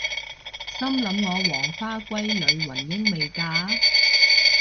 心諗我黃花閨女雲英未嫁！？